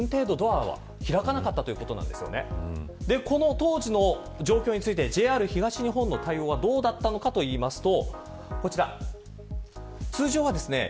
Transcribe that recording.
当時の状況についてＪＲ東日本の対応はどうだったのかというと。